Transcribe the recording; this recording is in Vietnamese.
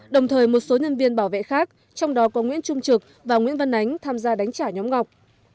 đồng thời một số nhân viên bảo vệ khác trong đó có nguyễn trung trực và nguyễn văn ánh tham gia đánh trả nhóm ngọc